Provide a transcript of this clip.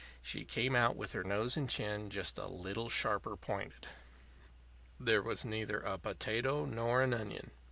She came out with her nose and chin just a little sharper pointed. There was neither a potato nor an onion.